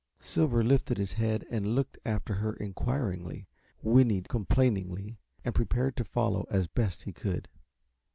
Silver lifted his head and looked after her inquiringly, whinnied complainingly, and prepared to follow as best he could.